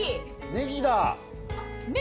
ネギだ。